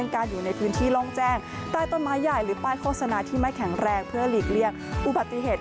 โฆษณาที่ไม่แข็งแรงเพื่อหลีกเลี่ยงอุบัติเหตุ